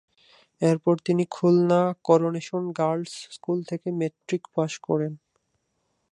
এরপর তিনি Khulna Coronation Girls School থেকে মেট্রিক পাস করেন।